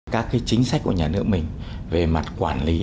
các chính sách của nhà nước mình về mặt quản lý